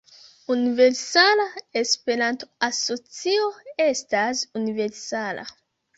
Universala Esperanto-Asocio estas universala.